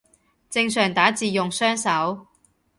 正常打字用雙手